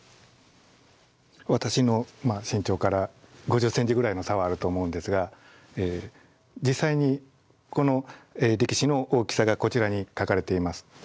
私の身長から５０センチぐらいの差はあると思うんですが実際にこの力士の大きさがこちらに書かれています。